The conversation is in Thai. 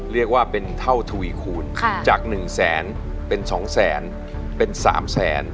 เรียกว่าเป็นเท่าถุยคูณค่ะจากหนึ่งแสนเป็นสองแสนเป็นสามแสน